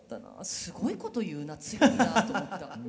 すごいこと言うな強いなと思った。